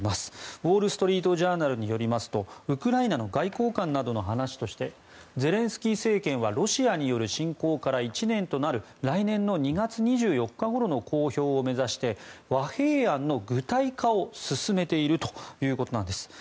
ウォール・ストリート・ジャーナルによりますとウクライナの外交官などの話としてゼレンスキー政権はロシアによる侵攻から１年となる来年２月２４日ごろの公表を目指して和平案の具体化を進めているということなんです。